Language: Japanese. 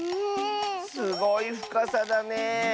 すごいふかさだね。